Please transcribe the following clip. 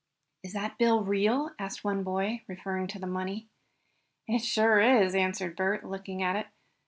"Is that bill real?" asked one boy, referring to the money. "It sure is," answered Bert, looking at it.